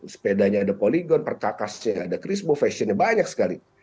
sepedanya ada polygon perkakasnya ada crispo fashionnya banyak sekali